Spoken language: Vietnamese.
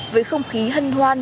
với không khí hân hoan